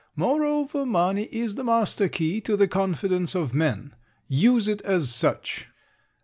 Moreover, money is the master key to the confidence of men. Use it as such.